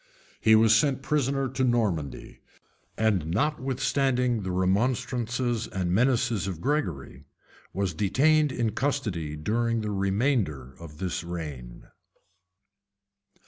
He was sent prisoner to Normandy; and notwithstanding the remonstrances and menaces of Gregory, was detained in custody during the remainder of this reign.